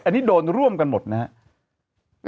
อันนี้โดนร่วมกันหมดนะครับ